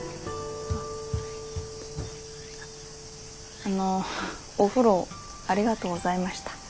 あのお風呂ありがとうございました。